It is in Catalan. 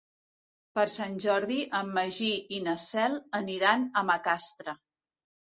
Per Sant Jordi en Magí i na Cel aniran a Macastre.